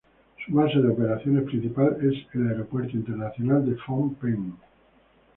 Su base de operaciones principal es el Aeropuerto Internacional de Phnom Penh.